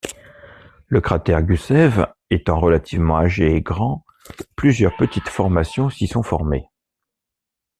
Le cratère Gusev étant relativement âgé et grand, plusieurs petites formations s'y sont formées.